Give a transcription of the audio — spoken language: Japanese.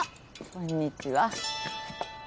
こんにちは。